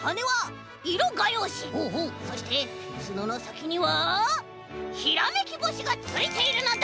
そしてつののさきにはひらめきぼしがついているのだ！